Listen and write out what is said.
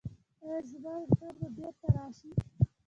ایا زما ویښتان به بیرته راشي؟